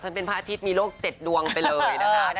ฉันเป็นพระอาทิตย์มีโลกเจ็ดดวงไปเลยนะคะ